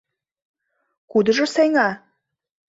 Кудыжо сеҥа?!